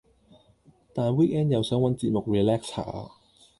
但 weekend 又想搵節目 relax 下